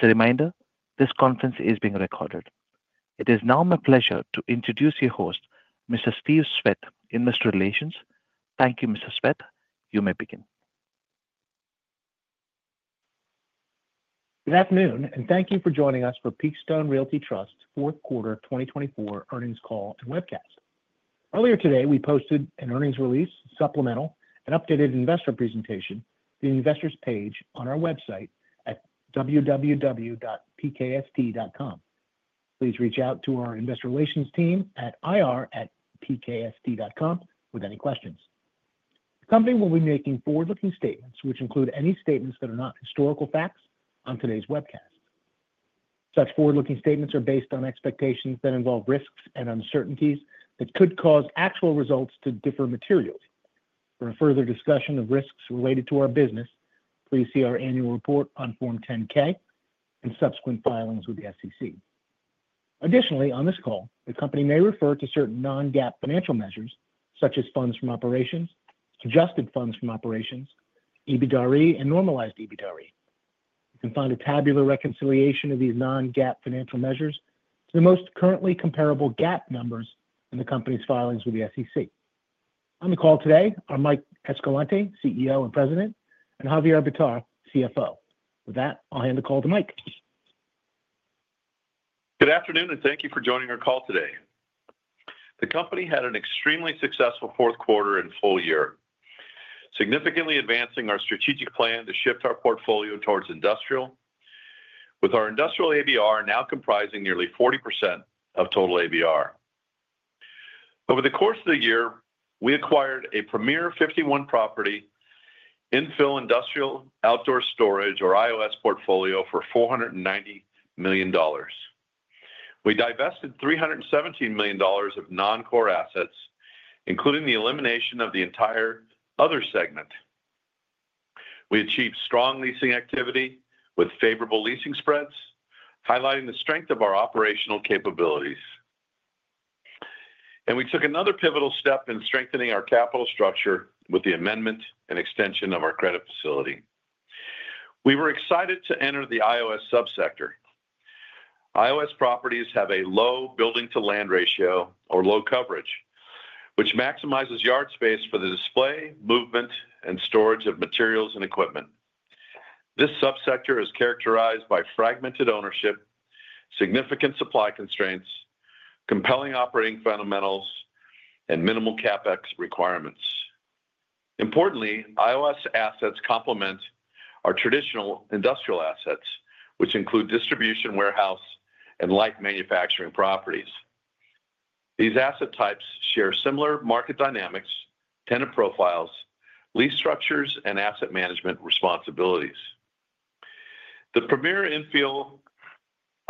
As a reminder, this conference is being recorded. It is now my pleasure to introduce your host, Mr. Steve Swett, Investor Relations. Thank you, Mr. Swett. You may begin. Good afternoon, and thank you for joining us for Peakstone Realty Trust's Fourth Quarter 2024 Earnings Call and Webcast. Earlier today, we posted an earnings release, supplemental, and updated investor presentation to the investors' page on our website at www.pkft.com. Please reach out to our investor relations team at ir@pkft.com with any questions. The company will be making forward-looking statements, which include any statements that are not historical facts on today's webcast. Such forward-looking statements are based on expectations that involve risks and uncertainties that could cause actual results to differ materially. For further discussion of risks related to our business, please see our annual report on Form 10-K and subsequent filings with the SEC. Additionally, on this call, the company may refer to certain non-GAAP financial measures, such as funds from operations, adjusted funds from operations, EBITDAre, and normalized EBITDAre. You can find a tabular reconciliation of these non-GAAP financial measures to the most currently comparable GAAP numbers in the company's filings with the SEC. On the call today are Mike Escalante, CEO and President, and Javier Bitar, CFO. With that, I'll hand the call to Mike. Good afternoon, and thank you for joining our call today. The company had an extremely successful fourth quarter and full year, significantly advancing our strategic plan to shift our portfolio towards industrial, with our industrial ABR now comprising nearly 40% of total ABR. Over the course of the year, we acquired a premier 51-property infill industrial outdoor storage, or IOS, portfolio for $490 million. We divested $317 million of non-core assets, including the elimination of the entire Other Segment. We achieved strong leasing activity with favorable leasing spreads, highlighting the strength of our operational capabilities. And we took another pivotal step in strengthening our capital structure with the amendment and extension of our credit facility. We were excited to enter the IOS subsector. IOS properties have a low building-to-land ratio, or low coverage, which maximizes yard space for the display, movement, and storage of materials and equipment. This subsector is characterized by fragmented ownership, significant supply constraints, compelling operating fundamentals, and minimal CapEx requirements. Importantly, IOS assets complement our traditional industrial assets, which include distribution warehouse and light manufacturing properties. These asset types share similar market dynamics, tenant profiles, lease structures, and asset management responsibilities. The premier infill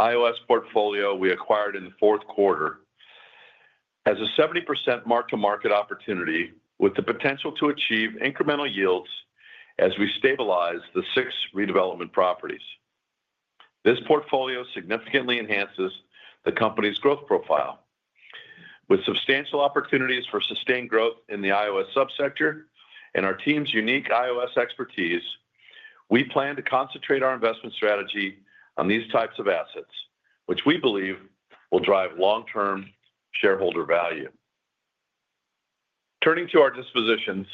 IOS portfolio we acquired in the fourth quarter has a 70% mark-to-market opportunity with the potential to achieve incremental yields as we stabilize the six redevelopment properties. This portfolio significantly enhances the company's growth profile. With substantial opportunities for sustained growth in the IOS subsector and our team's unique IOS expertise, we plan to concentrate our investment strategy on these types of assets, which we believe will drive long-term shareholder value. Turning to our dispositions,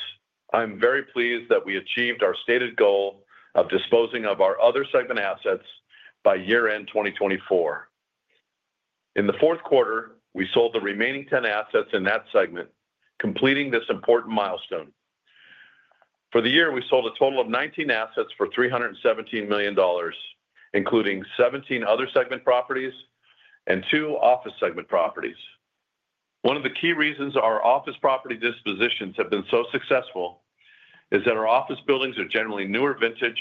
I'm very pleased that we achieved our stated goal of disposing of our Other Segment assets by year-end 2024. In the fourth quarter, we sold the remaining 10 assets in that segment, completing this important milestone. For the year, we sold a total of 19 assets for $317 million, including 17 V properties and two Office Segment properties. One of the key reasons our office property dispositions have been so successful is that our office buildings are generally newer vintage,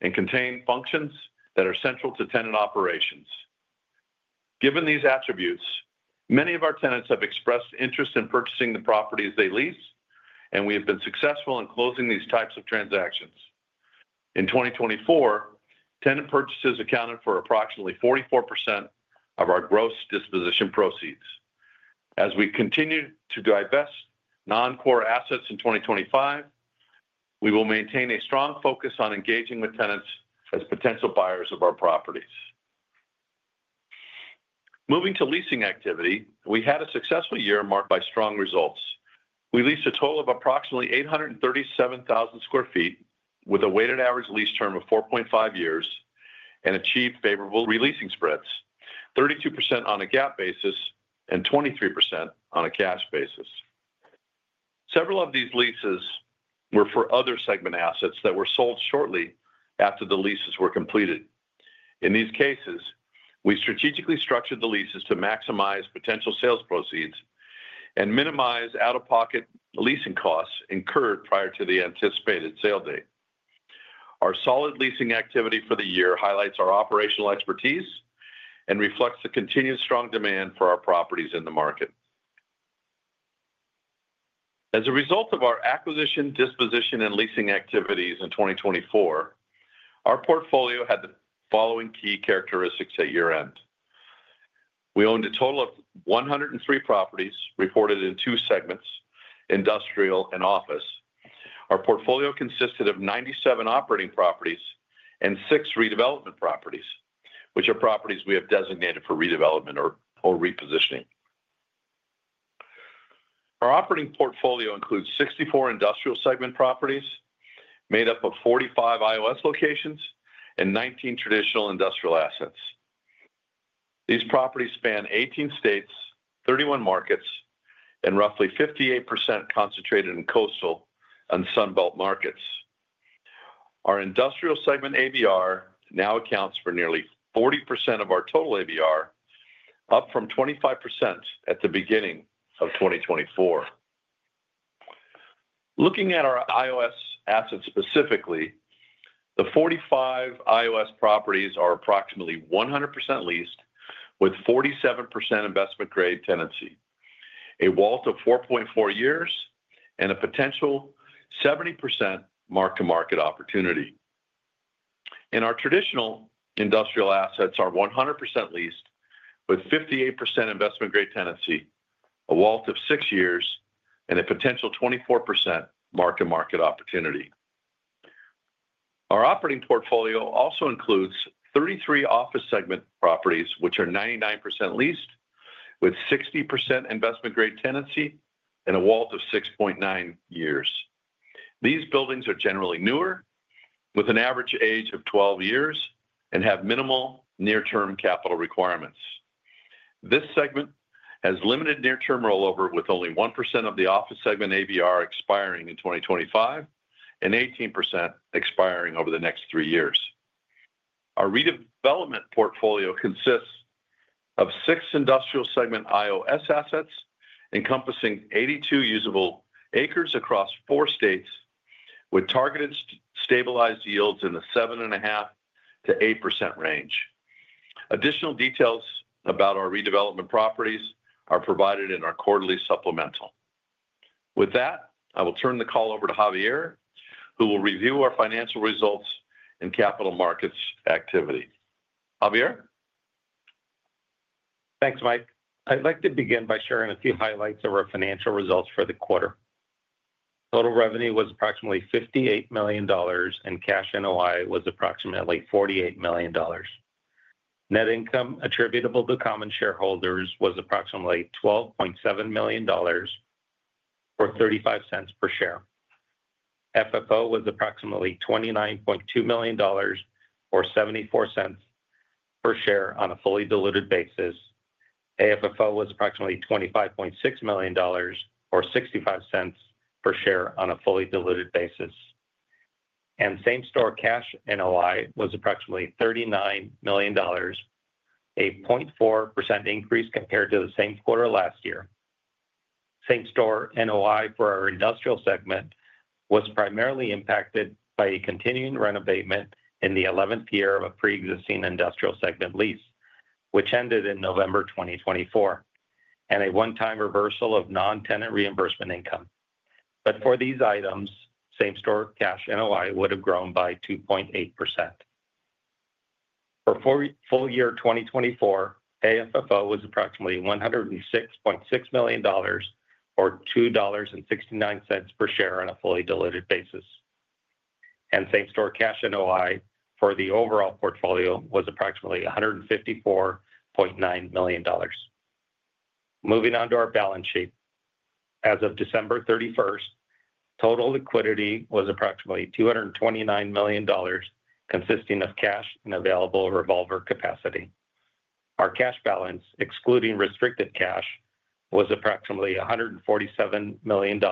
and contain functions that are central to tenant operations. Given these attributes, many of our tenants have expressed interest in purchasing the properties they lease, and we have been successful in closing these types of transactions. In 2024, tenant purchases accounted for approximately 44% of our gross disposition proceeds. As we continue to divest non-core assets in 2025, we will maintain a strong focus on engaging with tenants as potential buyers of our properties. Moving to leasing activity, we had a successful year marked by strong results. We leased a total of approximately 837,000 sq ft with a weighted average lease term of 4.5 years and achieved favorable re-leasing spreads, 32% on a GAAP basis and 23% on a cash basis. Several of these leases were for Other Segment assets that were sold shortly after the leases were completed. In these cases, we strategically structured the leases to maximize potential sales proceeds and minimize out-of-pocket leasing costs incurred prior to the anticipated sale date. Our solid leasing activity for the year highlights our operational expertise and reflects the continued strong demand for our properties in the market. As a result of our acquisition, disposition, and leasing activities in 2024, our portfolio had the following key characteristics at year-end. We owned a total of 103 properties reported in two segments, industrial and office. Our portfolio consisted of 97 operating properties and six redevelopment properties, which are properties we have designated for redevelopment or repositioning. Our operating portfolio includes 64 Industrial Segment properties made up of 45 IOS locations and 19 Traditional Industrial assets. These properties span 18 states, 31 markets, and roughly 58% concentrated in Coastal and Sunbelt markets. Our Industrial Segment ABR now accounts for nearly 40% of our total ABR, up from 25% at the beginning of 2024. Looking at our IOS assets specifically, the 45 IOS properties are approximately 100% leased, with 47% investment-grade tenancy, a WALT of 4.4 years, and a potential 70% mark-to-market opportunity. In our Traditional Industrial assets, our 100% leased, with 58% investment-grade tenancy, a WALT of 6 years, and a potential 24% mark-to-market opportunity. Our operating portfolio also includes 33 Office Segmentt properties, which are 99% leased, with 60% investment-grade tenancy, and a WALT of 6.9 years. These buildings are generally newer, with an average age of 12 years, and have minimal near-term capital requirements. This segment has limited near-term rollover, with only 1% of theOffice Segment ABR expiring in 2025 and 18% expiring over the next three years. Our redevelopment portfolio consists of six industrial segment IOS assets, encompassing 82 usable acres across four states, with targeted stabilized yields in the 7.5%-8% range. Additional details about our redevelopment properties are provided in our quarterly supplemental. With that, I will turn the call over to Javier, who will review our financial results and capital markets activity. Javier? Thanks, Mike. I'd like to begin by sharing a few highlights of our financial results for the quarter. Total revenue was approximately $58 million, and cash NOI was approximately $48 million. Net income attributable to common shareholders was approximately $12.7 million or $0.35 per share. FFO was approximately $29.2 million or $0.74 per share on a fully diluted basis. AFFO was approximately $25.6 million or $0.65 per share on a fully diluted basis. And same-store cash NOI was approximately $39 million, a 0.4% increase compared to the same quarter last year. Same-store NOI for our industrial segment was primarily impacted by a continuing rent abatement in the 11th year of a pre-existing industrial segment lease, which ended in November 2024, and a one-time reversal of non-tenant reimbursement income. But for these items, same-store cash NOI would have grown by 2.8%. For full year 2024, AFFO was approximately $106.6 million or $2.69 per share on a fully diluted basis, and same-store cash NOI for the overall portfolio was approximately $154.9 million. Moving on to our balance sheet, as of December 31st, total liquidity was approximately $229 million, consisting of cash and available revolver capacity. Our cash balance, excluding restricted cash, was approximately $147 million,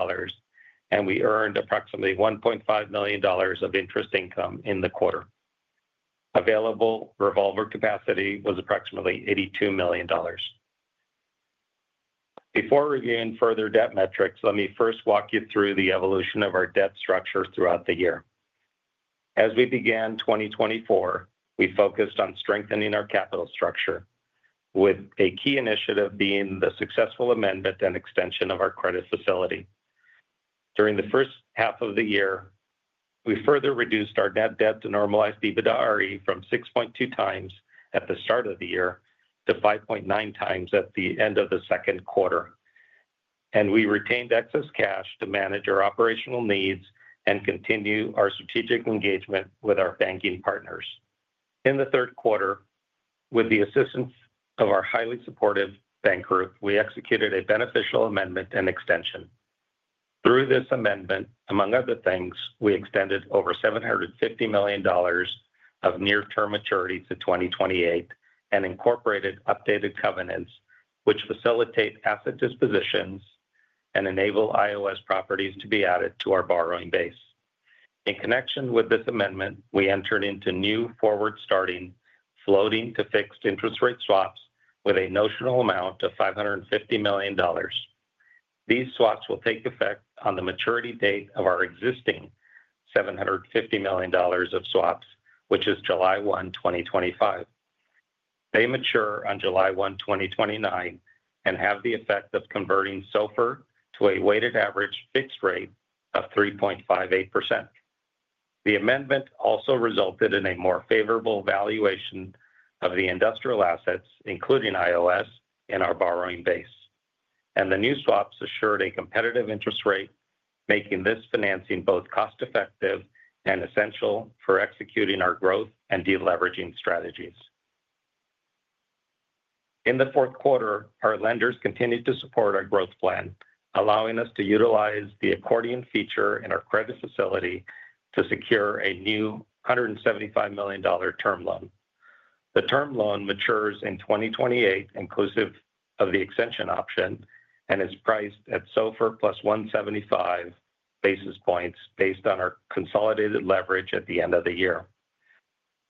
and we earned approximately $1.5 million of interest income in the quarter. Available revolver capacity was approximately $82 million. Before reviewing further debt metrics, let me first walk you through the evolution of our debt structure throughout the year. As we began 2024, we focused on strengthening our capital structure, with a key initiative being the successful amendment and extension of our credit facility. During the first half of the year, we further reduced our net debt to normalized EBITDAre from 6.2x at the start of the year to 5.9x at the end of the second quarter, and we retained excess cash to manage our operational needs and continue our strategic engagement with our banking partners. In the third quarter, with the assistance of our highly supportive bank group, we executed a beneficial amendment and extension. Through this amendment, among other things, we extended over $750 million of near-term maturity to 2028 and incorporated updated covenants, which facilitate asset dispositions and enable IOS properties to be added to our borrowing base. In connection with this amendment, we entered into new forward-starting floating-to-fixed interest rate swaps with a notional amount of $550 million. These swaps will take effect on the maturity date of our existing $750 million of swaps, which is July 1, 2025. They mature on July 1, 2029, and have the effect of converting SOFR to a weighted average fixed rate of 3.58%. The amendment also resulted in a more favorable valuation of the industrial assets, including IOS, in our borrowing base, and the new swaps assured a competitive interest rate, making this financing both cost-effective and essential for executing our growth and deleveraging strategies. In the fourth quarter, our lenders continued to support our growth plan, allowing us to utilize the accordion feature in our credit facility to secure a new $175 million term loan. The term loan matures in 2028, inclusive of the extension option, and is priced at SOFR plus 175 basis points based on our consolidated leverage at the end of the year.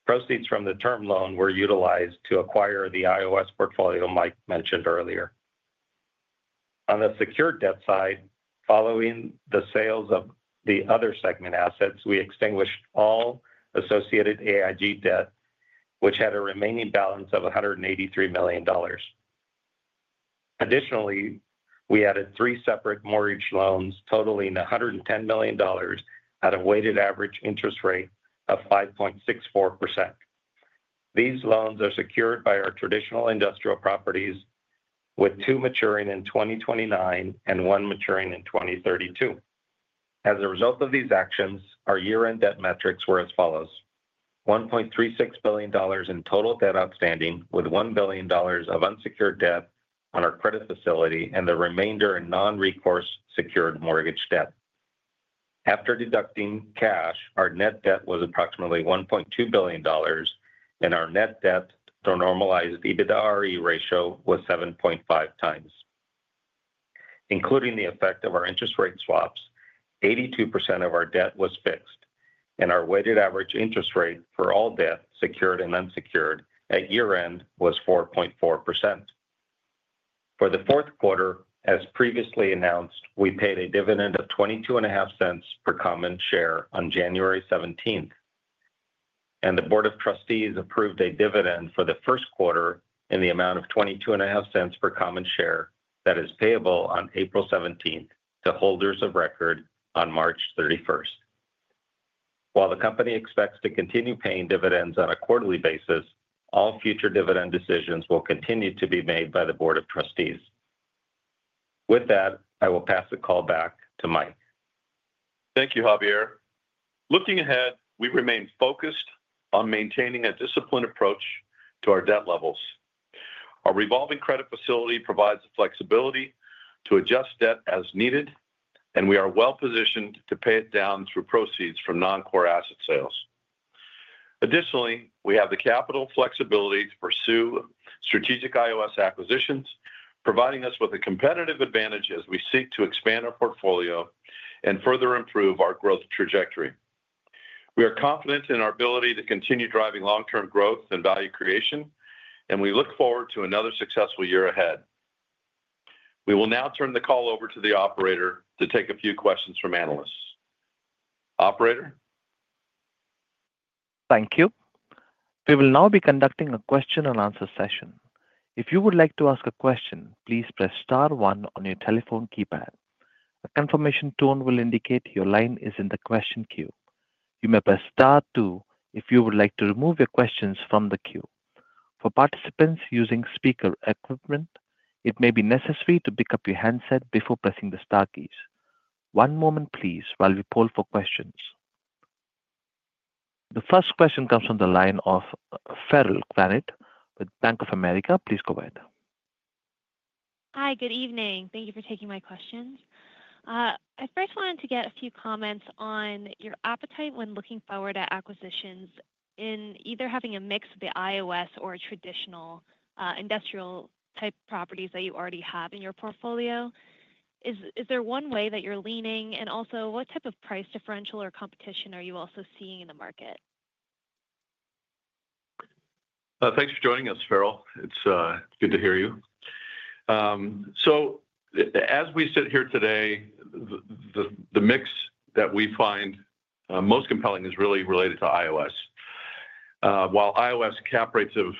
Proceeds from the term loan were utilized to acquire the IOS portfolio Mike mentioned earlier. On the secured debt side, following the sales of the Other Segment assets, we extinguished all associated AIG debt, which had a remaining balance of $183 million. Additionally, we added three separate mortgage loans totaling $110 million at a weighted average interest rate of 5.64%. These loans are secured by our traditional industrial properties, with two maturing in 2029 and one maturing in 2032. As a result of these actions, our year-end debt metrics were as follows, $1.36 billion in total debt outstanding, with $1 billion of unsecured debt on our credit facility and the remainder in non-recourse secured mortgage debt. After deducting cash, our net debt was approximately $1.2 billion, and our net debt to normalized EBITDAre ratio was 7.5x. Including the effect of our interest rate swaps, 82% of our debt was fixed, and our weighted average interest rate for all debt secured and unsecured at year-end was 4.4%. For the fourth quarter, as previously announced, we paid a dividend of $0.225 per common share on January 17th. The Board of Trustees approved a dividend for the first quarter in the amount of $0.225 per common share that is payable on April 17th to holders of record on March 31st. While the company expects to continue paying dividends on a quarterly basis, all future dividend decisions will continue to be made by the Board of Trustees. With that, I will pass the call back to Mike. Thank you, Javier. Looking ahead, we remain focused on maintaining a disciplined approach to our debt levels. Our revolving credit facility provides the flexibility to adjust debt as needed, and we are well-positioned to pay it down through proceeds from non-core asset sales. Additionally, we have the capital flexibility to pursue strategic IOS acquisitions, providing us with a competitive advantage as we seek to expand our portfolio and further improve our growth trajectory. We are confident in our ability to continue driving long-term growth and value creation, and we look forward to another successful year ahead. We will now turn the call over to the operator to take a few questions from analysts. Operator? Thank you. We will now be conducting a question and answer session. If you would like to ask a question, please press start one on your telephone keypad. A confirmation tone will indicate your line is in the question queue. You may press star two if you would like to remove your questions from the queue. For participants using speaker equipment, it may be necessary to pick up your handset before pressing the star keys. One moment, please, while we poll for questions. The first question comes from the line of Farrell Granath with Bank of America. Please go ahead. Hi, good evening. Thank you for taking my questions. I first wanted to get a few comments on your appetite when looking forward at acquisitions in either having a mix of the IOS or Traditional Industrial-type properties that you already have in your portfolio. Is there one way that you're leaning, and also, what type of price differential or competition are you also seeing in the market? Thanks for joining us, Farrell. It's good to hear you. So as we sit here today, the mix that we find most compelling is really related to IOS. While IOS cap rates have,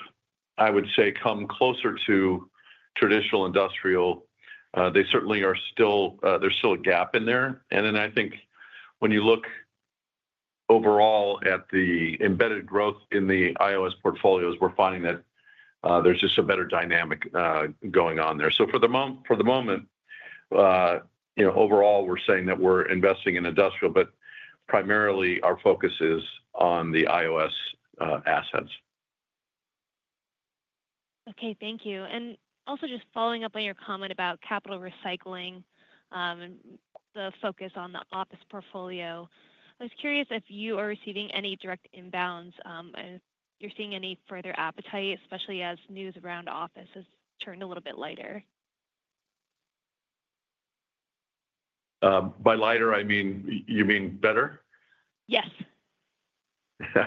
I would say, come closer to traditional industrial, they certainly are still, there's still a gap in there. And then I think when you look overall at the embedded growth in the IOS portfolios, we're finding that there's just a better dynamic going on there. So for the moment, overall, we're saying that we're investing in industrial, but primarily our focus is on the IOS assets. Okay, thank you, and also just following up on your comment about capital recycling and the focus on the office portfolio. I was curious if you are receiving any direct inbounds and you're seeing any further appetite, especially as news around office has turned a little bit lighter? By lighter, you mean better? Yes.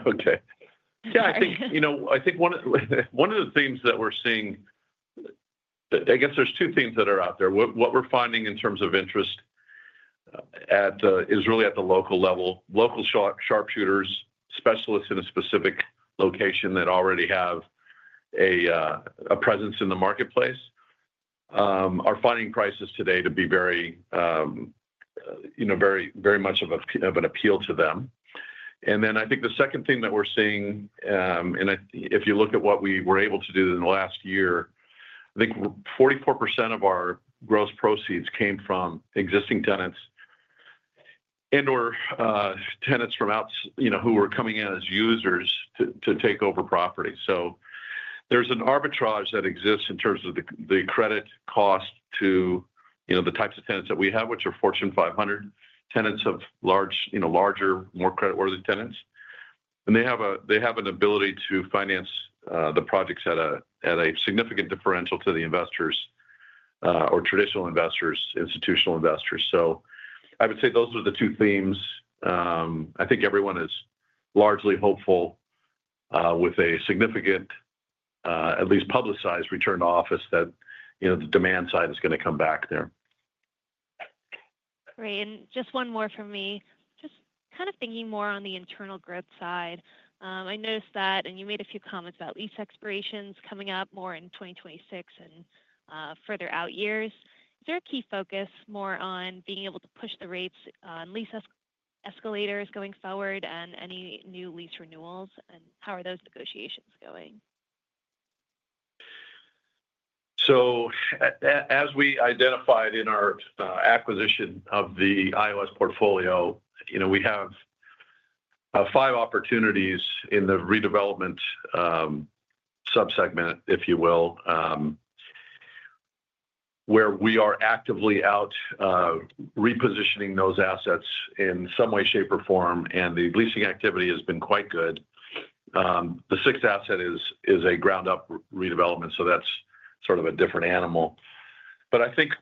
Okay. Yeah, I think one of the themes that we're seeing, I guess there's two themes that are out there. What we're finding in terms of interest is really at the local level. Local sharpshooters, specialists in a specific location that already have a presence in the marketplace, are finding prices today to be very much of an appeal to them. And then I think the second thing that we're seeing, and if you look at what we were able to do in the last year, I think 44% of our gross proceeds came from existing tenants and/or tenants who were coming in as users to take over property. So there's an arbitrage that exists in terms of the credit cost to the types of tenants that we have, which are Fortune 500 tenants of larger, more creditworthy tenants. They have an ability to finance the projects at a significant differential to the investors or traditional investors, institutional investors. I would say those are the two themes. I think everyone is largely hopeful with a significant, at least publicized, return to office that the demand side is going to come back there. Great, and just one more from me. Just kind of thinking more on the internal growth side, I noticed that, and you made a few comments about lease expirations coming up more in 2026 and further out years, is there a key focus more on being able to push the rates on lease escalators going forward and any new lease renewals? And how are those negotiations going? So as we identified in our acquisition of the IOS portfolio, we have five opportunities in the redevelopment subsegment, if you will, where we are actively out repositioning those assets in some way, shape, or form, and the leasing activity has been quite good. The sixth asset is a ground-up redevelopment, so that's sort of a different animal. But I think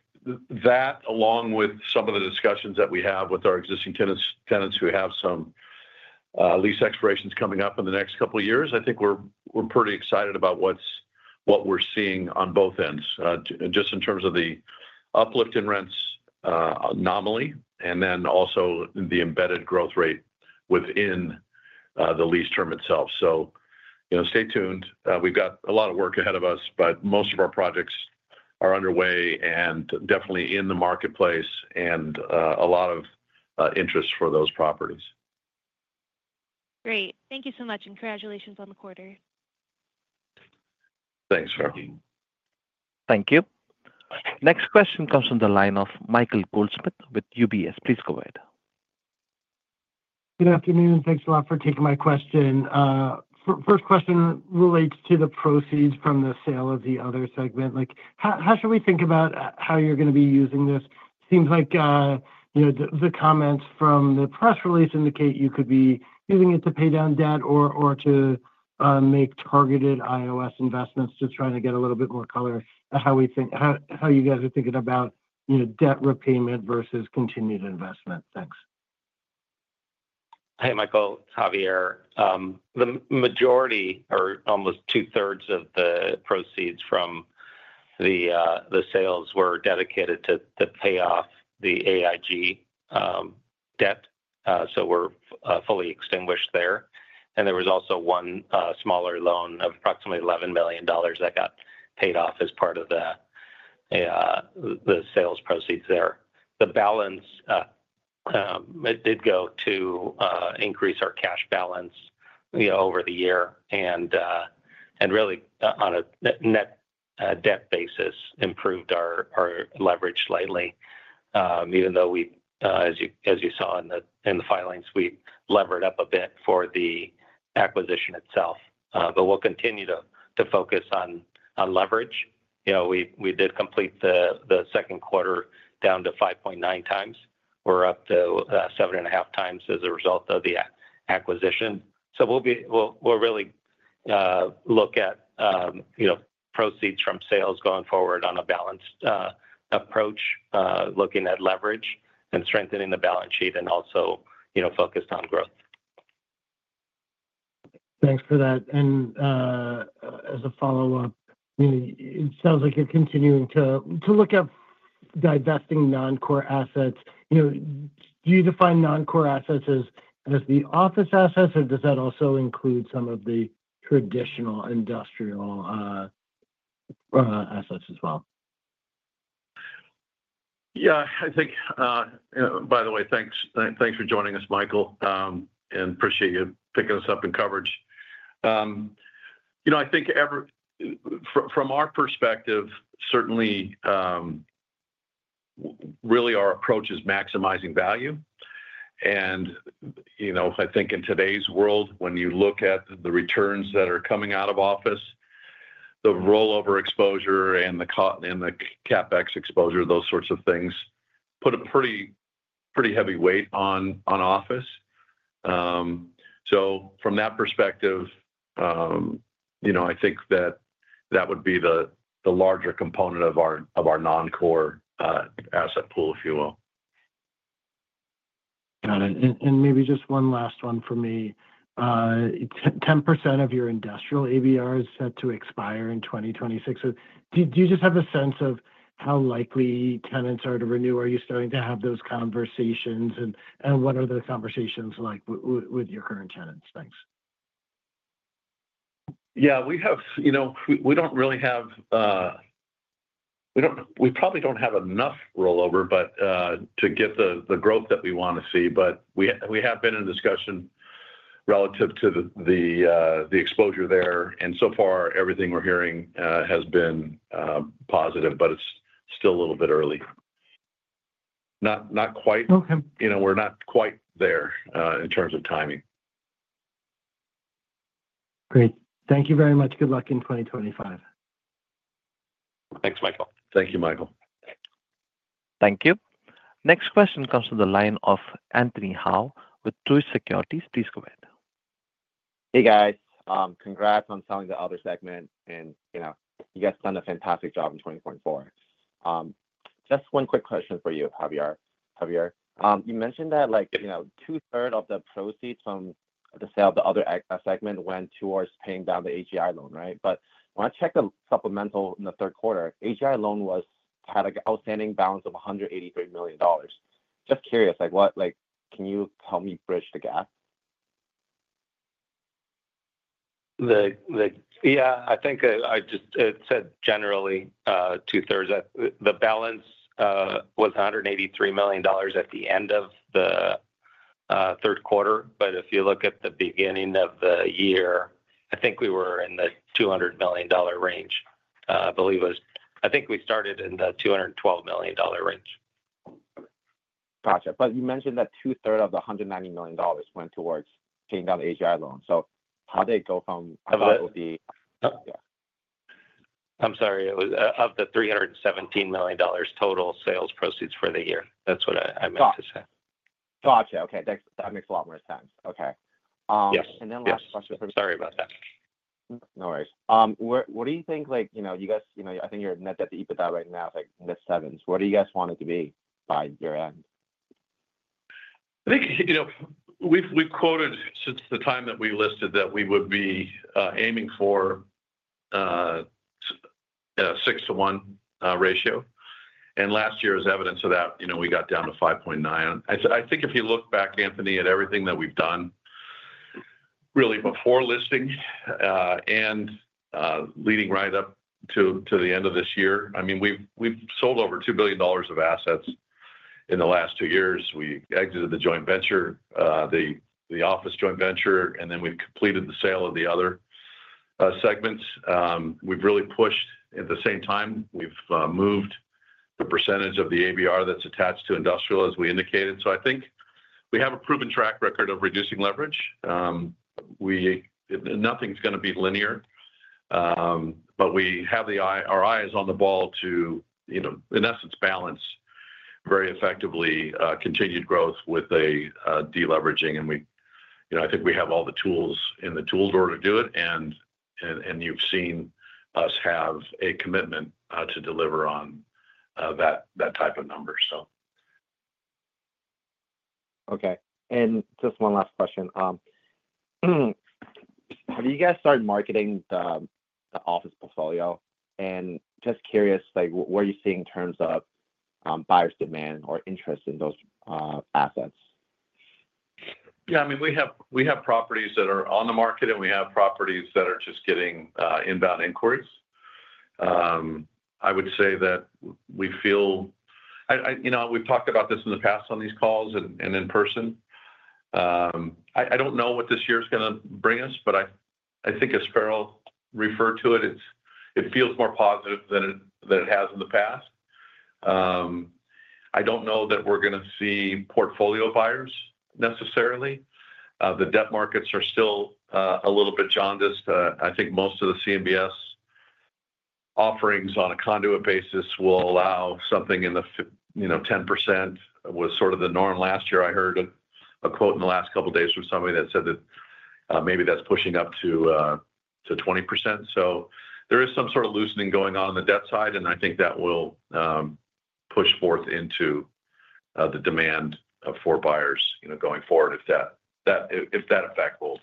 that, along with some of the discussions that we have with our existing tenants who have some lease expirations coming up in the next couple of years, I think we're pretty excited about what we're seeing on both ends, just in terms of the uplift in rents anomaly and then also the embedded growth rate within the lease term itself. So stay tuned. We've got a lot of work ahead of us, but most of our projects are underway and definitely in the marketplace and a lot of interest for those properties. Great. Thank you so much. And congratulations on the quarter. Thanks, Farrell. Thank you. Next question comes from the line of Michael Goldsmith with UBS. Please go ahead. Good afternoon. Thanks a lot for taking my question. First question relates to the proceeds from the sale of the Other Segment. How should we think about how you're going to be using this? Seems like the comments from the press release indicate you could be using it to pay down debt or to make targeted IOS investments, just trying to get a little bit more color at how you guys are thinking about debt repayment versus continued investment. Thanks. Hi, Michael. Javier. The majority, or almost two-thirds of the proceeds from the sales, were dedicated to pay off the AIG debt. So we're fully extinguished there. And there was also one smaller loan of approximately $11 million that got paid off as part of the sales proceeds there. The balance, it did go to increase our cash balance year-over-year and really, on a net debt basis, improved our leverage lately, even though, as you saw in the filings, we levered up a bit for the acquisition itself. But we'll continue to focus on leverage. We did complete the second quarter down to 5.9x. We're up to 7.5x as a result of the acquisition. So we'll really look at proceeds from sales going forward on a balanced approach, looking at leverage and strengthening the balance sheet and also focused on growth. Thanks for that. As a follow-up, it sounds like you're continuing to look at divesting non-core assets. Do you define non-core assets as the office assets, or does that also include some of the traditional industrial assets as well? Yeah, I think, by the way, thanks for joining us, Michael, and appreciate you picking us up in coverage. I think from our perspective, certainly, really our approach is maximizing value, and I think in today's world, when you look at the returns that are coming out of office, the rollover exposure and the CapEx exposure, those sorts of things put a pretty heavy weight on office, so from that perspective, I think that that would be the larger component of our non-core asset pool, if you will. Got it. And maybe just one last one for me. 10% of your industrial ABR is set to expire in 2026. Do you just have a sense of how likely tenants are to renew? Are you starting to have those conversations, and what are those conversations like with your current tenants? Thanks. Yeah, we don't really have—we probably don't have enough rollover to get the growth that we want to see, but we have been in discussion relative to the exposure there. And so far, everything we're hearing has been positive, but it's still a little bit early. Not quite. We're not quite there in terms of timing. Great. Thank you very much. Good luck in 2025. Thanks, Michael. Thank you, Michael. Thank you. Next question comes from the line of Anthony Hau with Truist Securities. Please go ahead. Hey, guys. Congrats on selling the Other Segment, and you guys have done a fantastic job in 2024. Just one quick question for you, Javier. You mentioned that two-thirds of the proceeds from the sale of the Other Segment went towards paying down the AIG loan, right? But when I checked the supplemental in the third quarter, the AIG loan had an outstanding balance of $183 million. Just curious, can you help me bridge the gap? Yeah, I think I just said generally two-thirds. The balance was $183 million at the end of the third quarter, but if you look at the beginning of the year, I think we were in the $200 million range. I believe it was. I think we started in the $212 million range. Gotcha. But you mentioned that two-thirds of the $190 million went towards paying down the AIG loan. So how did it go from—I thought it would be—yeah. I'm sorry. Of the $317 million total sales proceeds for the year. That's what I meant to say. Gotcha. Okay. That makes a lot more sense. Okay. And then last question. Sorry about that. No worries. What do you think you guys, I think you're net at the EBITDA right now, like net sevens. What do you guys want it to be by year-end? I think we've quoted since the time that we listed that we would be aiming for a six to one ratio. And last year is evidence of that. We got down to 5.9. I think if you look back, Anthony, at everything that we've done really before listing and leading right up to the end of this year, I mean, we've sold over $2 billion of assets in the last two years. We exited the joint venture, the office joint venture, and then we've completed the sale of the Other Segments. We've really pushed. At the same time, we've moved the percentage of the ABR that's attached to industrial, as we indicated. So I think we have a proven track record of reducing leverage. Nothing's going to be linear, but our eye is on the ball to, in essence, balance very effectively continued growth with a deleveraging. I think we have all the tools in the tool drawer to do it, and you've seen us have a commitment to deliver on that type of number, so. Okay. And just one last question. Have you guys started marketing the office portfolio? And just curious, what are you seeing in terms of buyer's demand or interest in those assets? Yeah. I mean, we have properties that are on the market, and we have properties that are just getting inbound inquiries. I would say that we feel, we've talked about this in the past on these calls and in person. I don't know what this year is going to bring us, but I think, as Farrell referred to it, it feels more positive than it has in the past. I don't know that we're going to see portfolio buyers necessarily. The debt markets are still a little bit jaundiced. I think most of the CMBS offerings on a conduit basis will allow something in the 10%, which was sort of the norm last year. I heard a quote in the last couple of days from somebody that said that maybe that's pushing up to 20%. So there is some sort of loosening going on the debt side, and I think that will push forth into the demand for buyers going forward if that effect holds.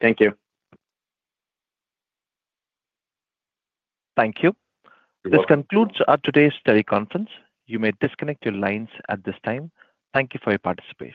Thank you. Thank you. This concludes today's teleconference. You may disconnect your lines at this time. Thank you for your participation.